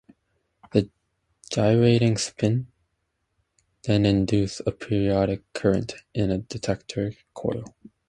The gyrating spins then induce a periodic current in a detector coil.